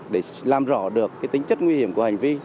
để làm rõ được tính chất nguy hiểm của hành vi